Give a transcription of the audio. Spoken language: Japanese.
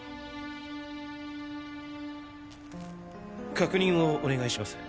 確認をお願いします。